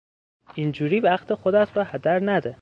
این جوری وقت خودت را هدر نده!